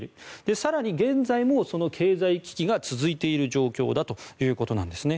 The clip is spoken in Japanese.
更に現在もその経済危機が続いている状況だということです。